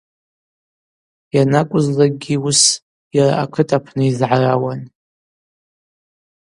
Йанакӏвызлакӏгьи уыс йара акыт апны йызгӏарауан.